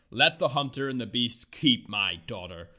Let the hunter and the beasts keep my daughter.